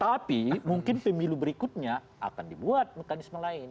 tapi mungkin pemilu berikutnya akan dibuat mekanisme lain